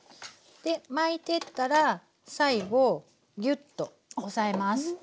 巻いてったら最後ギュッと押さえます。